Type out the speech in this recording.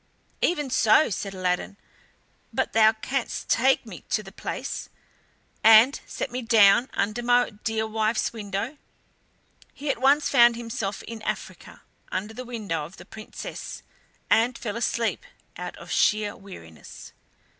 "Even so," said Aladdin, "but thou canst take me to the palace, and set me down under my dear wife's window." He at once found himself in Africa, under the window of the Princess, and fell asleep out of sheer weariness.